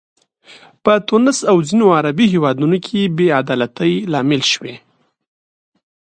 په تونس او ځینو عربي هیوادونو کې بې عدالتۍ لامل شوي.